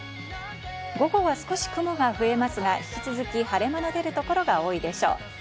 午後は少し雲が増えますが、引き続き晴れ間の出る所が多いでしょう。